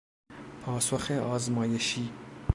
پاسخ آزمایشی